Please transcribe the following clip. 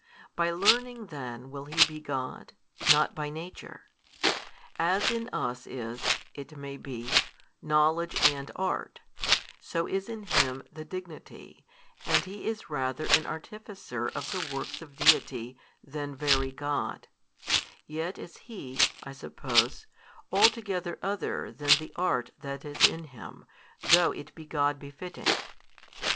By learning then will He be God, not by Nature. As in us is (it may |250 be) knowledge and art, so is in Him the Dignity, and He is rather an Artificer of the works of Deity than Very God: yet is He (I suppose) altogether other than the art that is in Him, though it be God befitting.